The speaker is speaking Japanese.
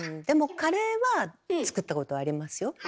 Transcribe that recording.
でもカレーは作ったことありますよ。